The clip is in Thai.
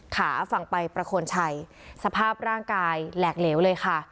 ฝั่งไปประโคนชัยสภาพร่างกายแหลกเหลวเลยค่ะ